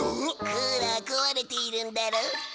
クーラー壊れているんだろ？